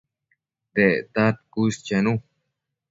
Dectad cuës chenu